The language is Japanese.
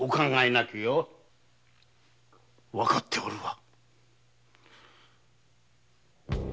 わかっておるわ。